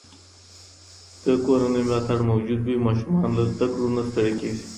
که کورنۍ ملاتړ موجود وي، ماشوم له زده کړو نه ستړی کېږي.